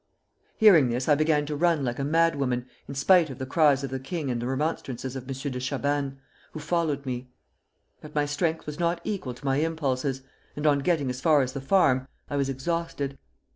Hearing this, I began to run like a madwoman, in spite of the cries of the king and the remonstrances of M. de Chabannes, who followed me. But my strength was not equal to my impulses, and on getting as far as the farm, I was exhausted.